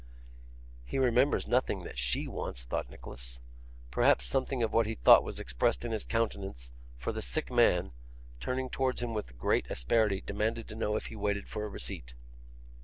'He remembers nothing that SHE wants!' thought Nicholas. Perhaps something of what he thought was expressed in his countenance, for the sick man, turning towards him with great asperity, demanded to know if he waited for a receipt.